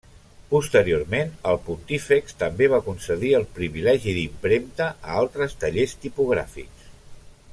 Posteriorment, el pontífex també va concedir el privilegi d'impremta a altres tallers tipogràfics.